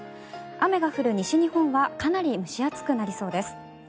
雨が降る西日本はかなり蒸し暑くなりそうです。